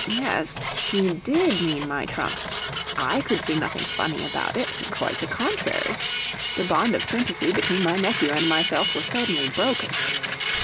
Yes, he DID mean my trunk. I could see nothing funny about it quite the contrary. The bond of sympathy between my nephew and myself was suddenly broken.